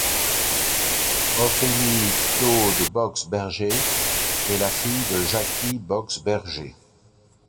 Ophélie Claude-Boxberger est la fille de Jacky Boxberger.